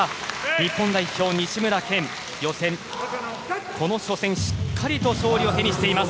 日本代表、西村拳予選、この初戦しっかりと手にしています。